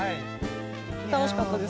楽しかったです。